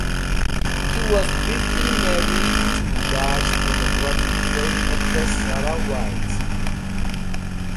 He was briefly married to Dutch pornographic film actress Zara Whites.